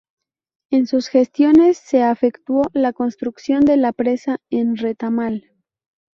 En sus gestiones se efectuó la construcción de la presa el Retamal.